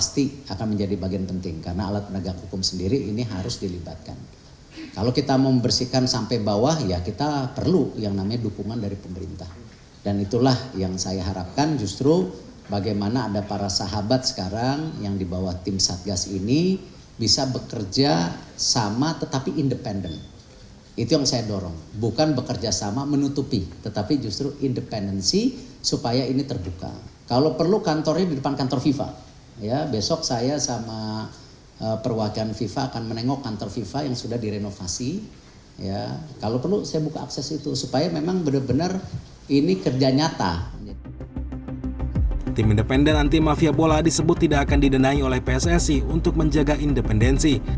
tim independen anti mafia bola disebut tidak akan didenai oleh pssi untuk menjaga independensi